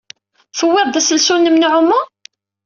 Tewwid-d aselsu-nnem n uɛumu?